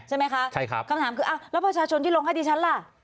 ใช่ไหมคะคำถามคือแล้วประชาชนที่ลงคดีชั้นล่ะ